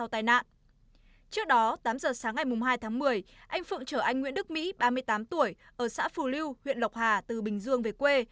trước đó tám giờ sáng ngày hai tháng một mươi anh phượng chở anh nguyễn đức mỹ ba mươi tám tuổi ở xã phù lưu huyện lộc hà từ bình dương về quê